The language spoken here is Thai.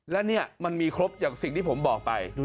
และนี่มันมีครบอย่างสิ่งที่ผมบอกไป